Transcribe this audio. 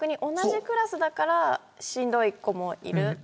同じクラスだからしんどい子もいる。